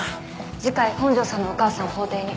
次回本庄さんのお母さんを法廷に。